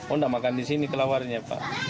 oh tidak makan di sini kelawarnya pak